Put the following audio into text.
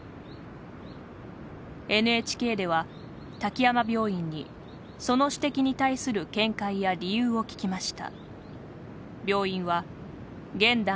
ＮＨＫでは滝山病院にその指摘に対する見解や理由を聞きました。